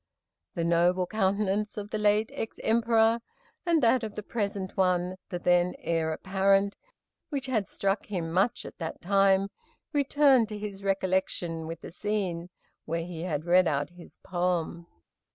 The noble countenance of the late ex Emperor, and that of the present one, the then Heir apparent, which had struck him much at that time, returned to his recollection with the scene where he had read out his poem.